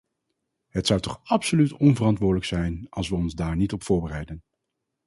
Het zou toch absoluut onverantwoordelijk zijn als we ons daar niet op voorbereiden.